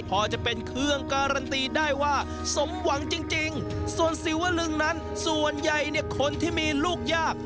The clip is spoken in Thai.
พอจะเป็นเครื่องการันตีได้ว่าสมหวังจริงส่วนศิวลึงนั้นส่วนใหญ่เนี่ยคนที่มีลูกยาก